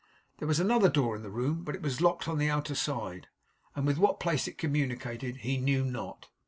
There was another door in the room, but it was locked on the outer side; and with what place it communicated, he knew not.